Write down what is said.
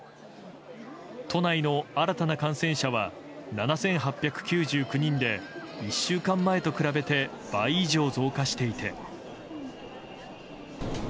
都内の新たな感染者は７８９９人で１週間前と比べて倍以上増加していて。